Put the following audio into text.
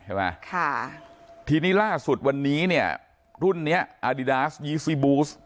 ใช่ไหมค่ะทีนี้ล่าสุดวันนี้เนี่ยรุ่นเนี้ยอาดิดาสยีซีบูส